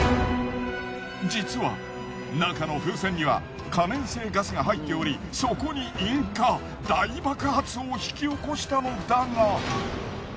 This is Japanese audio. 実は中の風船には可燃性ガスが入っておりそこに引火大爆発を引き起こしたのだが。